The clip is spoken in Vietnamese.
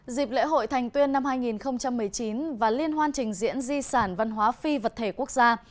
dịp lễ hội thành tuyên năm hai nghìn một mươi chín và liên hoan trình diễn di sản văn hóa phi vật thể quốc gia